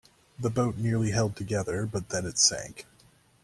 The boat nearly held together, but then it sank.